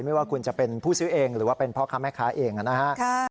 ว่าคุณจะเป็นผู้ซื้อเองหรือว่าเป็นพ่อค้าแม่ค้าเองนะครับ